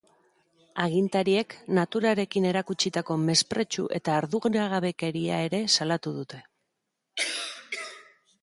Agintariek «naturarekin erakutsitako mespretxu eta arduragabekeria» ere salatu dute.